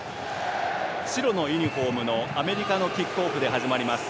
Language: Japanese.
白のユニフォームのアメリカのキックオフで始まります。